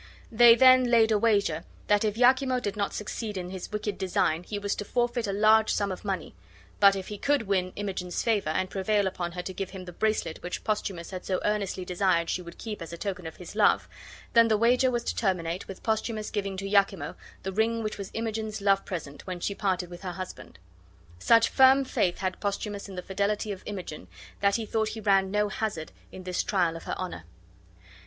They then laid a wager that if Iachimo did not succeed in this wicked design he was to forfeit a large sum of money; but if he could win Imogen's favor, and prevail upon her to give him the bracelet which Posthumus had so earnestly desired she would keep as a token of his love, then the wager was to terminate with Posthumus giving to Iachimo the ring which was Imogen's love present when she parted with her husband. Such firm faith had Posthumus in the fidelity of Imogen that he thought he ran no hazard in this trial of her honor.